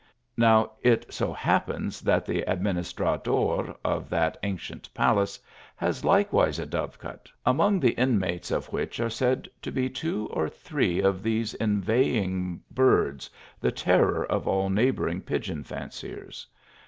Now, it so happens that the Adininistrador of that ancient palace has likewise a dove cote, among the inmates of which are said to be two or three of these inveigling birds, the terror of all neighbouring pigeon fanciers.